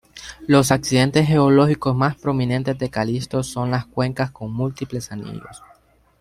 Los accidentes geológicos más prominentes de Calisto son las cuencas con múltiples anillos.